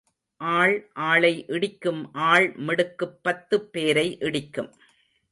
ஆள் ஆளை இடிக்கும் ஆள் மிடுக்குப் பத்துப் பேரை இடிக்கும்.